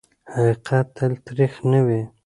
حقیقت تل تریخ نه وي.